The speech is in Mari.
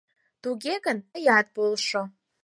Туге гын, тыят полшо.